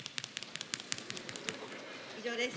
以上です。